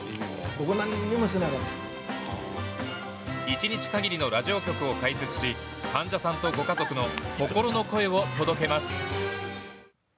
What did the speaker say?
一日かぎりのラジオ局を開設し患者さんとご家族の心の声を届けます。